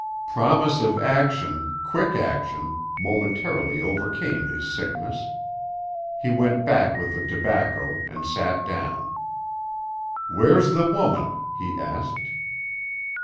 Promise of action, quick action, momentarily overcame his sickness. He went back with the tobacco, and sat down. "Where's the woman?" be asked.